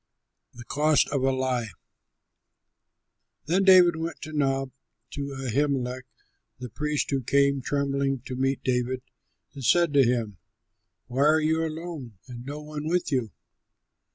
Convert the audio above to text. THE COST OF A LIE Then David went to Nob, to Ahimelech the priest who came trembling to meet David and said to him, "Why are you alone, and no one with you?"